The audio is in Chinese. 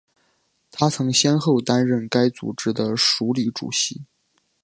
她曾先后担任该组织的署理主席。